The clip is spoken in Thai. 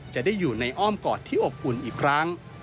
จะได้อยู่ในอ้อมกอดที่อบอุ่นอีกครั้ง